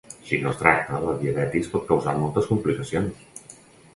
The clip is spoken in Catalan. Si no es tracta, la diabetis pot causar moltes complicacions.